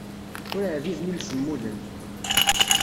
Ur ɛbiden imsemmuden.